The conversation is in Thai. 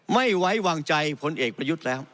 ไม่ไว้วางใจพลเอกประยุทธ์แล้ว